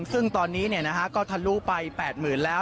ซึ่งตอนนี้เนี่ยนะฮะก็ทะลุไป๘๐๐๐๐แล้ว